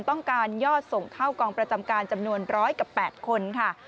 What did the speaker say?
ต้องการยอดส่งเข้ากองประจำการจำนวน๑๐๐กับ๘คนค่ะ